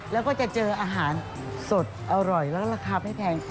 แล้วก็จะเจออาหารสดอร่อยแล้วก็ราคาไม่แพง